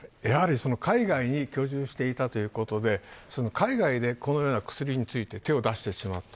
海外に居住していたということで海外で、このような薬について手を出してしまった。